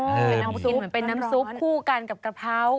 เหมือนเป็นน้ำซุปคู่กันกับกระเพร่า